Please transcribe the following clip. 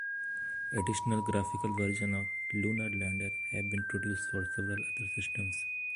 Additional graphical versions of "Lunar Lander" have been produced for several other systems.